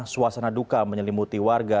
suasana duka menyelimuti warga